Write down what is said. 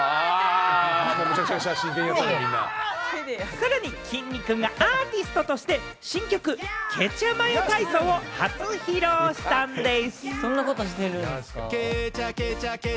さらに、きんに君がアーティストとして新曲『ケチャマヨ体操』を初披露したんでぃす。